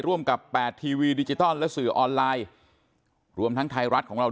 ร่วมกับแปดทีวีดิจิตอลและสื่อออนไลน์รวมทั้งไทยรัฐของเรา